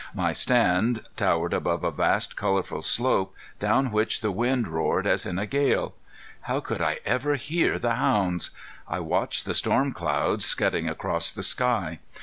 My stand towered above a vast colorful slope down which the wind roared as in a gale. How could I ever hear the hounds? I watched the storm clouds scudding across the sky.